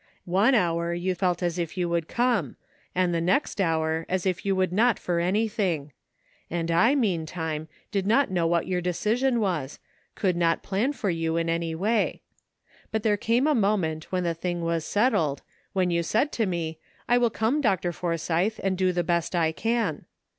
One hour you felt as if you would come, and the next hour as if you would not for anything ; and I, meantime, did not know what your decision was, could not plan for you in any way. But there came a moment when the thing was settled, when you said to me, ' I will, come. Dr. Forsythe, and do the best I can.'